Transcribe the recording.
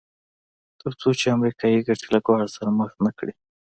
تر څو چې امریکایي ګټې له ګواښ سره مخ نه کړي.